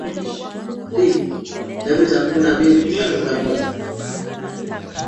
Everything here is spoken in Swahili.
ni saa kumi na mbili dakika thelathini na tisa